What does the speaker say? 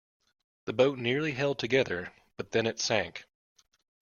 The boat nearly held together, but then it sank.